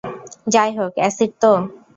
যাইহোক অ্যাসিড তো।